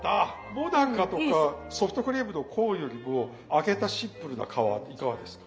もなかとかソフトクリームのコーンよりも揚げたシンプルな皮いかがですか？